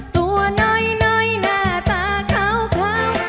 ตัวน้อยน้อยหน้าตาขาวขาว